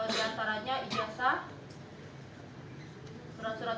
diantaranya ijazah surat surat